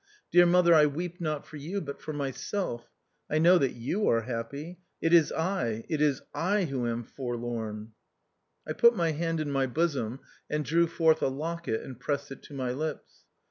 Dear mother, I weep not for you, but for myself ; I know that you are happy, it is I — it is I who am forlorn." THE OUTCAST. 77 I put my hand in my bosom and drew forth a locket, and pressed it to my lips.